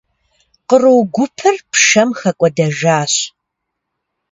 Къру гупыр пшэм хэкӏуэдэжащ.